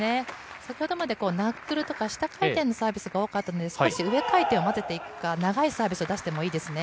先ほどまでナックルとか下回転のサービスが多かったので、少し上回転を混ぜていくか、長いサービスを出してもいいですね。